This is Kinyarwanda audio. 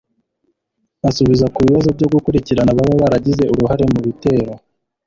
asubiza ku bibazo byo gukurikirana ababa baragize uruhare mu bitero